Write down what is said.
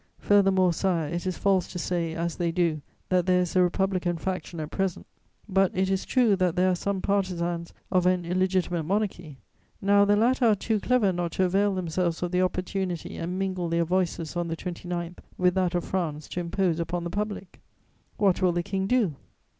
"Furthermore, Sire, it is false to say, as they do, that there is a Republican faction at present; but it is true that there are some partisans of an illegitimate monarchy: now the latter are too clever not to avail themselves of the opportunity and mingle their voices, on the 29th, with that of France to impose upon the public. "What will the King do?